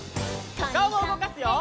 おかおもうごかすよ！